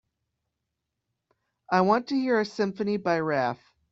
I want to hear a symphony by Raf